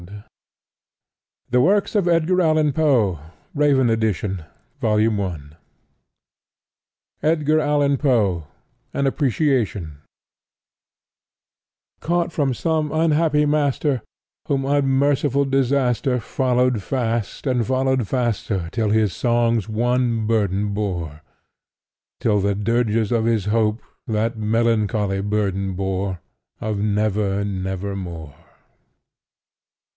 (*1) THE BALLOON HOAX MS. FOUND IN A BOTTLE THE OVAL PORTRAIT EDGAR ALLAN POE AN APPRECIATION Caught from some unhappy master whom unmerciful Disaster Followed fast and followed faster till his songs one burden bore— Till the dirges of his Hope that melancholy burden bore Of "never—never more!"